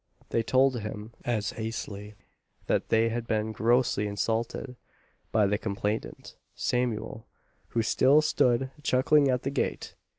They told him as hastily, that they had been grossly insulted by the complainant, Samuel, who still stood chuckling at the gate.